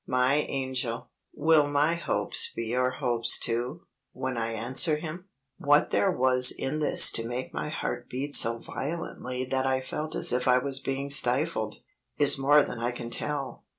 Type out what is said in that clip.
My angel, will my hopes be your hopes too, when I answer him?" What there was in this to make my heart beat so violently that I felt as if I was being stifled, is more than I can tell.